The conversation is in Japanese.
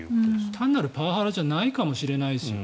単なるパワハラじゃないかもしれないですよ。